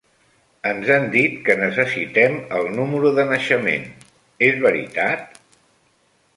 Ens han dit que necessitem el número de naixement, és veritat?